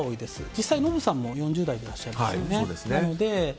実際、ノブさんも４０代でいらっしゃいますよね。